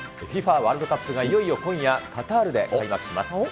ワールドカップがいよいよ今夜、カタールで開幕します。